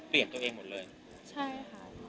ตอนนี้คือเปลี่ยนตัวเองหมดเลย